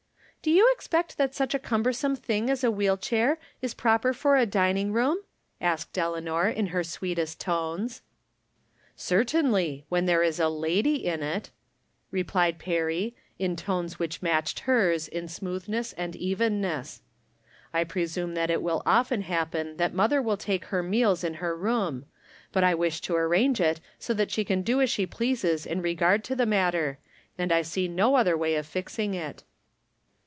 " Do you expect that such a cumbersome thing as a wheel chair is proper for a dining room, asked Eleanor, in her sweetest tones. 266 From Different Standpoints. " Certainljr, wlieii there is a lady in it," replied Perry, in tones wliicli matclied. hers in smooth ness and evenness. " I presume that it will often happen that mother will take her meals in her room, but I wish to arrange it so that she can do as she pleases in regard to the matter, and I see no other way of fixing it."